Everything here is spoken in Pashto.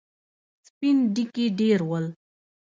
سپين ډکي ډېر ول.